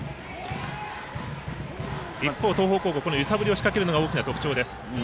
一方、東邦高校、揺さぶりを仕掛けるのが大きな特徴です。